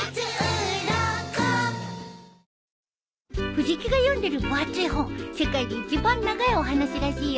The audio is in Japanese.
藤木が読んでる分厚い本世界で一番長いお話らしいよ。